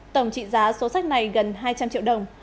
tổng trị giá số sách này gần hai trăm linh triệu đồng